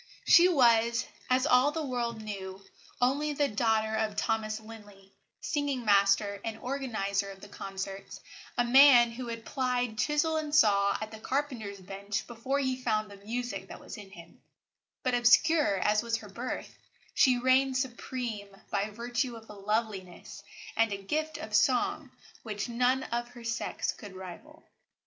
She was, as all the world knew, only the daughter of Thomas Linley, singing master and organiser of the concerts, a man who had plied chisel and saw at the carpenter's bench before he found the music that was in him; but, obscure as was her birth, she reigned supreme by virtue of a loveliness and a gift of song which none of her sex could rival.